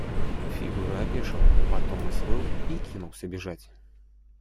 Фигура опешил, потом взвыл и кинулся бежать.